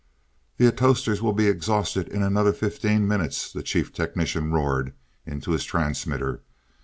"The atostors will be exhausted in another fifteen minutes," the Chief Technician roared into his transmitter.